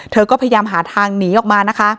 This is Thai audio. เธอก็พยายามหาทางหนีออกมานะคะ